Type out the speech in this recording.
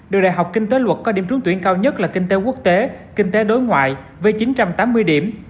đội đại học kinh tế luật có điểm trúng tuyển cao nhất là kinh tế quốc tế kinh tế đối ngoại với chín trăm tám mươi điểm